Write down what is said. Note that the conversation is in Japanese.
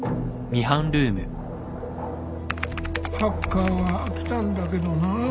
ハッカーは飽きたんだけどなあ。